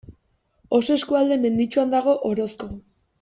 Oso eskualde menditsuan dago Orozko.